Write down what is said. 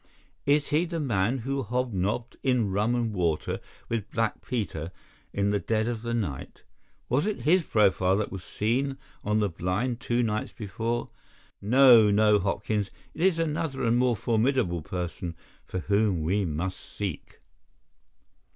Is he the man who hobnobbed in rum and water with Black Peter in the dead of the night? Was it his profile that was seen on the blind two nights before? No, no, Hopkins, it is another and more formidable person for whom we must seek."